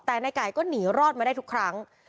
แต่ในไก่ก็หนีรอดมาได้ทุกครั้ง